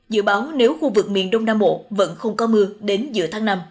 dự báo nếu khu vực miền đông nam bộ vẫn không có mưa đến giữa tháng năm